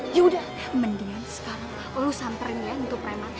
ya udah mendingan sekarang lu samperin ya untuk preman